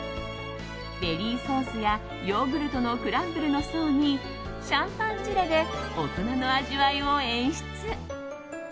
ベリーソースやヨーグルトのクランブルの層にシャンパンジュレで大人の味わいを演出。